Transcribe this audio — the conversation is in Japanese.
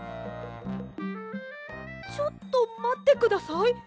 ちょっとまってください。